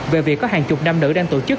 về việc có hàng chục nam nữ đang tổ chức